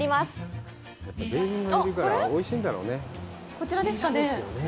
こちらですかね。